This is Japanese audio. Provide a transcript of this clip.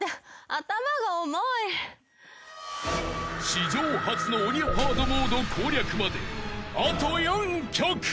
［史上初の鬼ハードモード攻略まであと４曲］